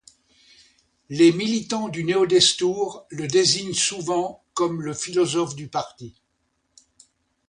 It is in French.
Les militants du Néo-Destour le désignent souvent comme le philosophe du parti.